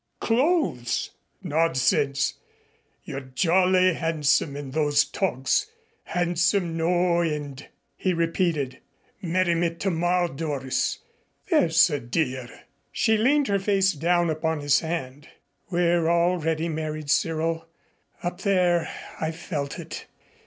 "Clothes." "Nonsense. You're jolly handsome in those togs handsome no end," he repeated. "Marry me tomorrow, Doris. There's a dear." She leaned her face down upon his hand. "We're already married, Cyril. Up there I felt it.